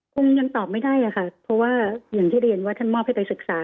คงยังตอบไม่ได้ค่ะเพราะว่าอย่างที่เรียนว่าท่านมอบให้ไปศึกษา